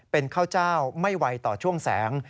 เป็นข้าวเจ้าไม่ไวต่อช่วงแสง